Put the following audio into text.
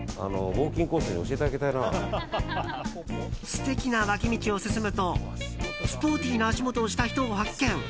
素敵な脇道を進むとスポーティーな足元をした人を発見。